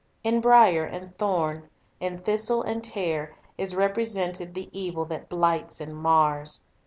In brier and thorn, in thistle and tare, is represented the evil that blights and mars.